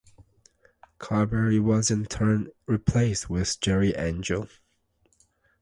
Carberry was in turn replaced with Jerry Angel.